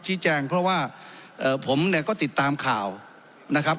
แจ้งเพราะว่าเอ่อผมเนี่ยก็ติดตามข่าวนะครับ